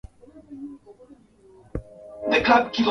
Uganda kubuni kifaa cha kudhibiti uchafuzi wa hewa